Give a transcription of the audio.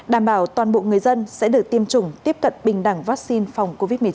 đảm bảo toàn bộ người dân sẽ được tiêm chủng tiếp cận bình đẳng vaccine phòng covid một mươi chín